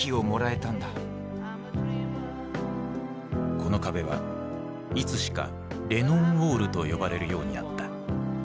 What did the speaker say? この壁はいつしか「レノン・ウォール」と呼ばれるようになった。